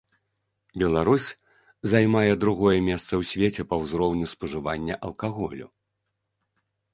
Беларусь займае другое месца ў свеце па ўзроўню спажывання алкаголю.